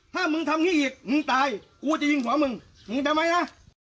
ถ้ามึงทำงี้อีกมึงตายกูจะยิงหัวมึงมึงได้ไหมนะ